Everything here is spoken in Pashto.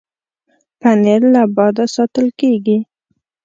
پنېر له باده ساتل کېږي.